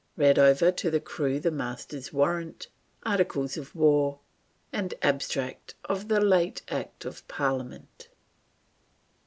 Read over to the crew the Master's Warrant, Articles of War, and Abstract of the late Act of Parliament."